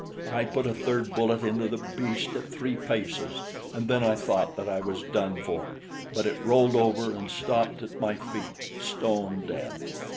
I put a third bullet into the beast at three paces, and then I thought that I was done for; but it rolled over and stopped at my feet, stone dead.